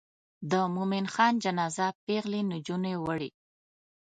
د مومن خان جنازه پیغلې نجونې وړي.